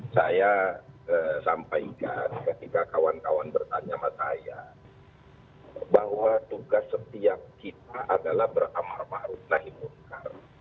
saya sampaikan ketika kawan kawan bertanya sama saya bahwa tugas setiap kita adalah beramar ⁇ maruf ⁇ nahi munkar